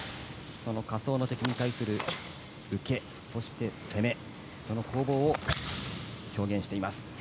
その仮想の敵に対する受け攻めその攻防を表現しています。